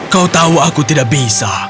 kau tahu aku tidak bisa